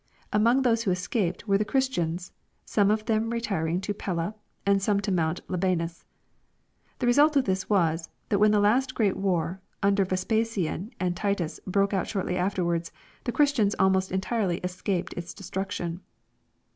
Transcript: Among those who escaped were the Christians, some of them retiring to Pella, and some to Mount Libanus. The result of this was, that when the last great war, under Vespasian and Titus, broke out shortly afterwards, the Christians almost entirely escaped its desolation.